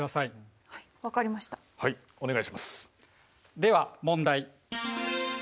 では問題。